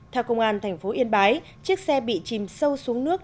theo công an thành phố yên bái chiếc xe bị chìm sâu xuống nước